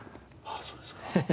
ああそうですか。